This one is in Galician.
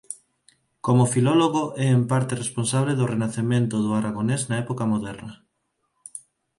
Como filólogo é en parte responsable do renacemento do aragonés na época moderna.